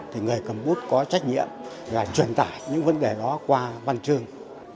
đặc nhiệm là truyền tải những vấn đề đó qua văn chương